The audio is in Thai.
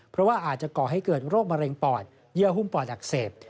เพราะว่าอาจจะก่อให้เกิดโรคมะเร็งปอดเยื่อหุ้มปอดอักเสบ